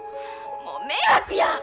もう迷惑や！